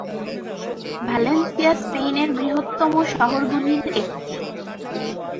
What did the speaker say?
Valencia স্পেনের বৃহত্তম শহরগুলির একটি।